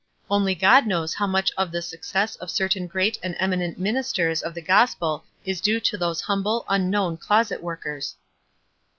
Only God knows how much of the success of certain great and eminent minis ters of the gospel is due to those humble, un known closet workers.